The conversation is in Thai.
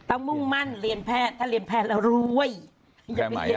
มุ่งมั่นเรียนแพทย์ถ้าเรียนแพทย์แล้วรวย